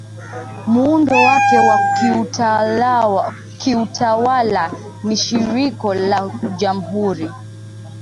Muundo wake wa kiutawala ni shirikisho la Jamhuri